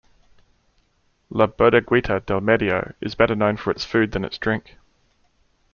La Bodeguita del Medio is better known for its food than its drink.